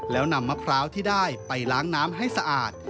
แล้วนำมะพร้าวที่ได้ไปล้างน้ำให้สะอาด